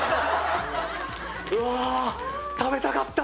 うわ食べたかった。